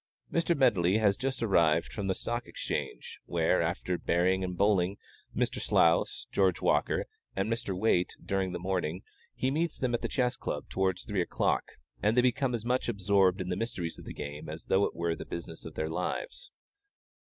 Mr. Medley has just arrived from the Stock Exchange, where, after "Bearing" or "Bulling" Mr. Slous, George Walker, and Mr. Waite during the morning, he meets them at the Chess Club towards three o'clock, and they become as much absorbed in the mysteries of the game as though it were the business of their lives.